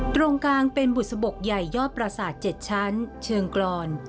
ตรงกลางเป็นบุษบกใหญ่ยอดประสาท๗ชั้นเชิงกรอน